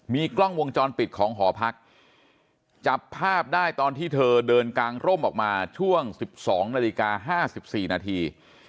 มีกล้องวงจรปิดของหอพักจับภาพได้ตอนที่เธอเดินกางร่มออกมาช่วง๑๒นาฬิกา๕๔นาที